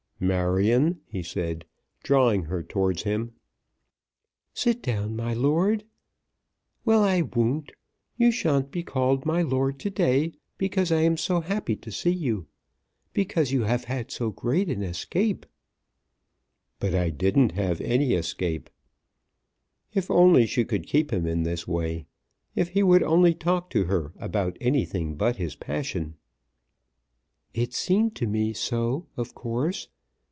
"Marion," he said, drawing her towards him. "Sit down, my lord. Well. I won't. You shan't be called my lord to day, because I am so happy to see you; because you have had so great an escape." "But I didn't have any escape." If only she could keep him in this way! If he would only talk to her about anything but his passion! "It seemed to me so, of course.